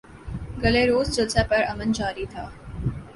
گلے روز جلسہ پر امن جاری تھا